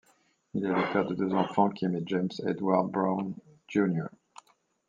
Il est le père de deux enfants, Kim et James Edward Brown Jr.